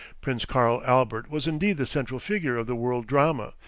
Prince Karl Albert was indeed the central figure of the world drama.